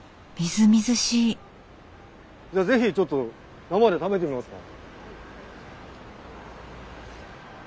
じゃあ是非ちょっと生で食べてみますか？